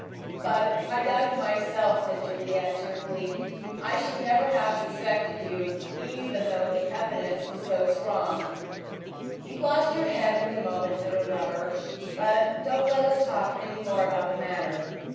"But I doubted myself," said Juliet tearfully. "I should never have suspected you, even though the evidence was so strong." "You lost your head for the moment," said her lover, "but don't let us talk any more about the matter.